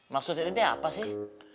maksudnya inti apa sih